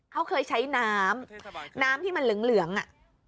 เขาเคยใช้น้ำน้ำที่มันเหลืองอ่ะ